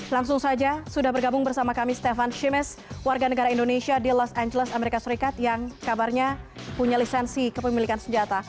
langsung saja sudah bergabung bersama kami stefan simes warga negara indonesia di los angeles amerika serikat yang kabarnya punya lisensi kepemilikan senjata